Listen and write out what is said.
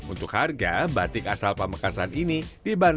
untuk harga batik asal pamakasan ini adalah rp satu